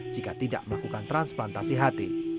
jika tidak melakukan transplantasi hati